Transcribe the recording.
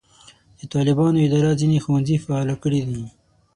د طالبانو اداره ځینې ښوونځي فعاله کړي دي.